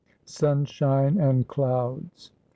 SUNSHINE AND CLOUDS.